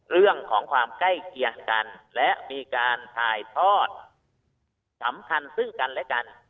เรื่องของความใกล้เคียงกันและมีการถ่ายทอดสำคัญซึ่งกันและกัน